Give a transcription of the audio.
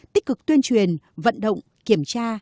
tích cực tuyên truyền vận động kiểm tra